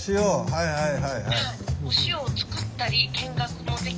はいはいはいはい。